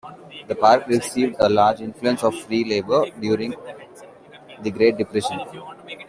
The park received a large influx of free labor during the Great Depression.